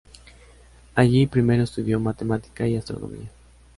Allí, primero estudió matemática y astronomía.